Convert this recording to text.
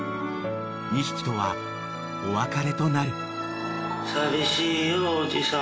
［２匹とはお別れとなる］